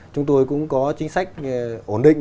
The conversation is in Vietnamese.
chúng tôi cũng có chính sách ổn định